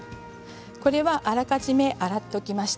あらかじめ洗っておきました。